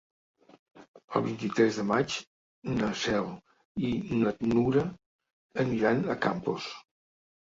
El vint-i-tres de maig na Cel i na Nura aniran a Campos.